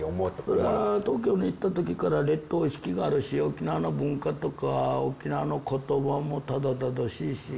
俺は東京に行った時から劣等意識があるし沖縄の文化とか沖縄の言葉もたどたどしいし。